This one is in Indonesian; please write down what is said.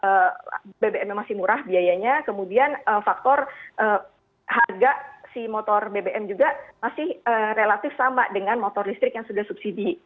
kemudian faktor harga si motor bbm juga masih relatif sama dengan motor listrik yang sudah subsidi